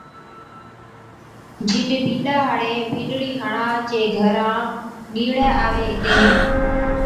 جِڏَ بِينڏا ھاڙي بِينڏڙِي ھاڙان چين گھر نيڙي آوي ھِتي